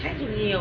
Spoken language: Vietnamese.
khách dùng nhiều